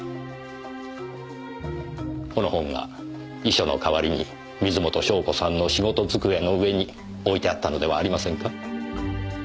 この本が遺書の代わりに水元湘子さんの仕事机の上に置いてあったのではありませんか？